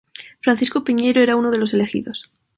Francisco Piñeyro era uno de los elegidos.